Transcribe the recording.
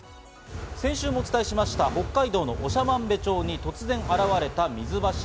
先週もお伝えしました北海道の長万部町に突然出現した謎の水柱。